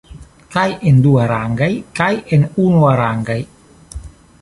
Kaj en duarangaj kaj en unuarangaj.